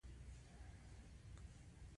په فیوډالي نظام کې تولیدي ځواکونو وده وکړه.